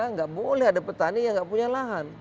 nggak boleh ada petani yang nggak punya lahan